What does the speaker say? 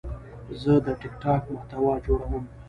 زه د ټک ټاک محتوا جوړوم.